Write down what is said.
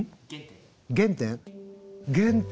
原点？